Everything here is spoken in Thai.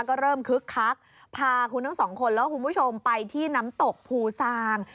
ก็เริ่มคึกคักพาคุณทั้งสองคนแล้วคุณผู้ชมไปที่น้ำตกภูซาง